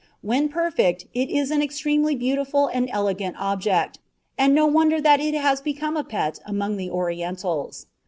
When perfect, it is an extremely beautiful and elegant object, and no wonder that it has become a pet among the Orientals.